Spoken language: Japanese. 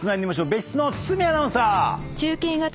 別室の堤アナウンサー！